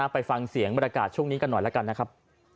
ไปฟังเสียงบรรยากาศช่วงนี้กันหน่อยแล้วกันนะครับ